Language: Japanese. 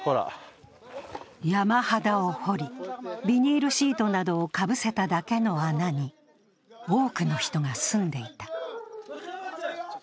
山肌を掘り、ビニールシートをかぶせただけの穴に多くの人が住んでいた。